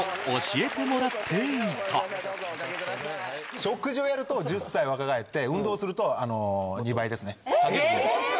食事をやると１０歳若返って運動すると２倍ですね。